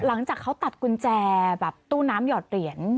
หลังจากเขาตัดกุญแจแบบตู้น้ำหยอดเหรียญ